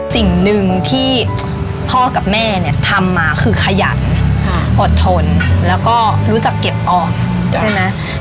สิ่งหนึ่งที่พ่อกับแม่เนี่ยทำมาคือขยันอดทนแล้วก็รู้จักเก็บออกใช่ไหม